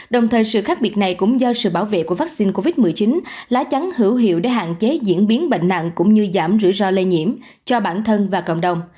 đồng thời sự khác biệt này cũng do sự bảo vệ của vaccine covid một mươi chín lá chắn hữu hiệu để hạn chế diễn biến bệnh nặng cũng như giảm rủi ro lây nhiễm cho bản thân và cộng đồng